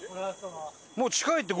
もう近いって。